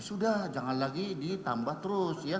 ya sudah jangan lagi ditambah terus